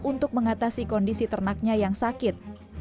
untuk mengatasi kondisi ternaknya yang sakit